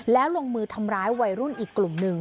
แล้วลงมือทำร้ายวัยรุ่นอีกกลุ่มหนึ่ง